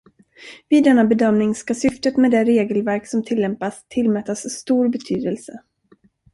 Vid denna bedömning ska syftet med det regelverk som tillämpas tillmätas stor betydelse.